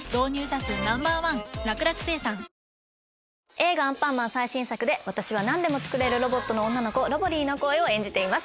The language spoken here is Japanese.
映画『アンパンマン』最新作で私は何でも作れるロボットの女の子ロボリィの声を演じています。